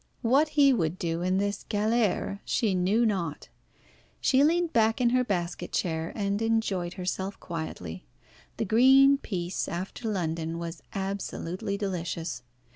What he would do in this galère she knew not. She leaned back in her basket chair and enjoyed herself quietly. The green peace, after London, was absolutely delicious.